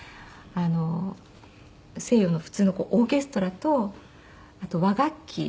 西洋の普通のオーケストラとあと和楽器。